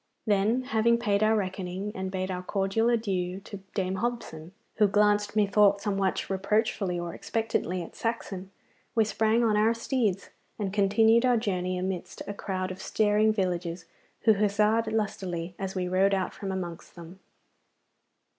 Then, having paid our reckoning and bade a cordial adieu to Dame Hobson, who glanced methought somewhat reproachfully or expectantly at Saxon, we sprang on our steeds and continued our journey amidst a crowd of staring villagers, who huzzaed lustily as we rode out from amongst them.